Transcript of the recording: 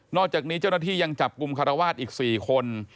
อกจากนี้เจ้าหน้าที่ยังจับกลุ่มคารวาสอีก๔คน